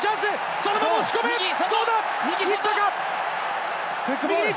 そのまま押し込めるか？